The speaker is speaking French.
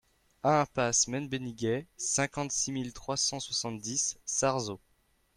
un impasse Men Beniguet, cinquante-six mille trois cent soixante-dix Sarzeau